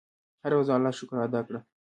هره ورځ د الله شکر ادا کړه.